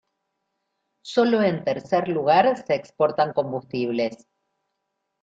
Solo en tercer lugar se exportan combustibles.